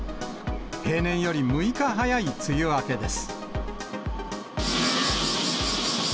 平年より６日早い梅雨明けです。